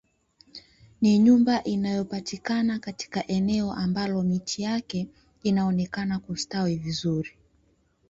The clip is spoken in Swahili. Ni nyumba inayopatikana katika eneo ambalo miti yake inaonekana kustawi vizuri